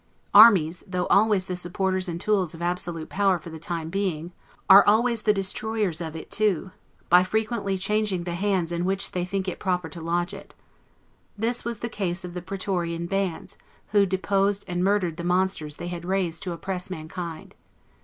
Armies, though always the supporters and tools of absolute power for the time being, are always the destroyers of it, too, by frequently changing the hands in which they think proper to lodge it. This was the case of the Praetorian bands, who deposed and murdered the monsters they had raised to oppress mankind.